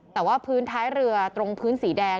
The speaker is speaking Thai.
แต่ว่าพื้นท้ายเรือตรงพื้นสีแดง